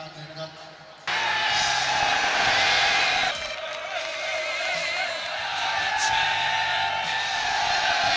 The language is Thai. ศวินธรรมชาติอั